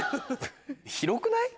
広くない？